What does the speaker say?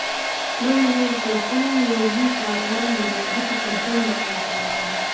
لویو لویو توپونو یو لوی کاروان د مېږي په قدم وړاندې روان و.